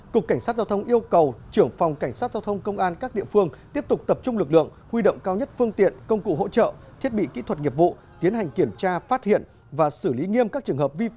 cục cảnh sát giao thông yêu cầu trưởng phòng cảnh sát giao thông công an các địa phương tiếp tục tập trung lực lượng huy động cao nhất phương tiện công cụ hỗ trợ thiết bị kỹ thuật nghiệp vụ tiến hành kiểm tra phát hiện và xử lý nghiêm các trường hợp vi phạm